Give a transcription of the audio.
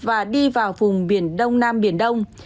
và đi vào vùng biển đông nam biển đông